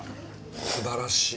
素晴らしい。